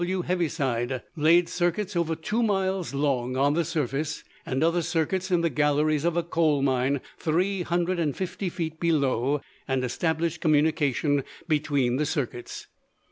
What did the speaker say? W. Heaviside, laid circuits over two miles long on the surface and other circuits in the galleries of a coal mine three hundred and fifty feet below, and established communication between the circuits.